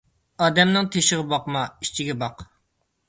ئادەمنىڭ تېشىغا باقما، ئىچىگە باق.